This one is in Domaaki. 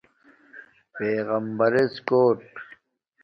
پیغمبرژ کݸٹ